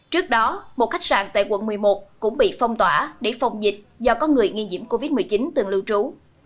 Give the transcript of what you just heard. trước đó một khách sạn tại quận một mươi một cũng bị phong tỏa để phòng dịch do có người nghi nhiễm covid một mươi chín từng lưu trú